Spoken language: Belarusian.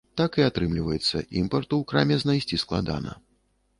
Так і атрымліваецца, імпарту ў краме знайсці складана.